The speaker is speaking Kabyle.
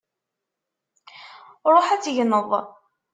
Ṛuḥ ad tegneḍ!